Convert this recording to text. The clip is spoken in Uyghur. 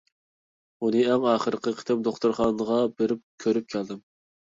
ئۇنى ئەڭ ئاخىرقى قېتىم دوختۇرخانىغا بېرىپ كۆرۈپ كەلدىم.